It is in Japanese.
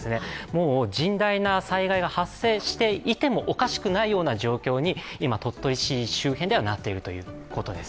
もう甚大な災害が発生していてもおかしくないような状況に今、鳥取市周辺ではなっているということです。